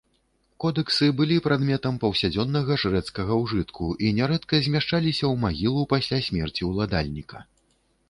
Кодэксы былі прадметам паўсядзённага жрэцкага ўжытку і нярэдка змяшчаліся ў магілу пасля смерці ўладальніка.